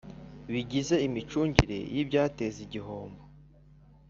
Bigize imicungire y ibyateza igihombo